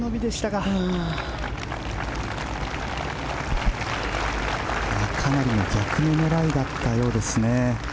かなりの逆目のライだったようですね。